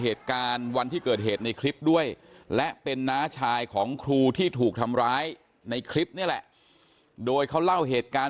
เหตุการณ์วันที่เกิดเหตุในคลิปด้วยและเป็นน้าชายของครูที่ถูกทำร้ายในคลิปนี่แหละโดยเขาเล่าเหตุการณ์